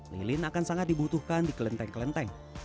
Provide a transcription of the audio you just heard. lilin akan sangat dibutuhkan di kelenteng kelenteng